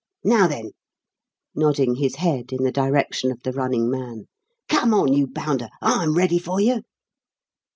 Now, then" nodding his head in the direction of the running man "come on you bounder; I'm ready for you!"